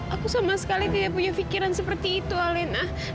aku sama sekali tidak punya pikiran seperti itu alina